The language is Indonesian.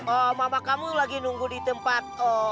oh mama kamu lagi nunggu di tempat